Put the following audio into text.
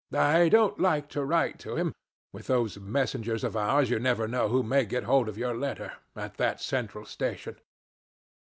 I don't like to write to him with those messengers of ours you never know who may get hold of your letter at that Central Station.'